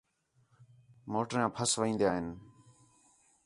موٹراں پھس وین٘دا ہین